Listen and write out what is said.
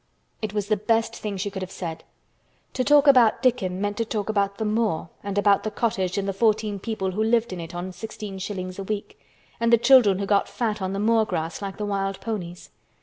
It was the best thing she could have said. To talk about Dickon meant to talk about the moor and about the cottage and the fourteen people who lived in it on sixteen shillings a week—and the children who got fat on the moor grass like the wild ponies.